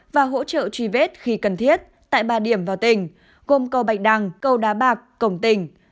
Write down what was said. và hỗ trợ truy vết khi cần thiết tại ba điểm vào tỉnh gồm cầu bạch đăng cầu đá bạc cổng tỉnh